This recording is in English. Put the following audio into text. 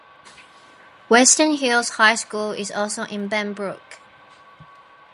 Western Hills High School is also in Benbrook.